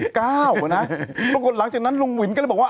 เพราะคตหลังจากนั้นลุงหวินก็บอกว่า